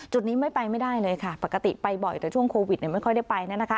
จุดนี้ไม่ไปไม่ได้เลยค่ะปกติไปบ่อยแต่ช่วงโควิดไม่ค่อยได้ไป